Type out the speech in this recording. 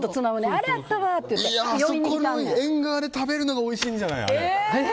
あそこの縁側で食べるのがおいしいんじゃない！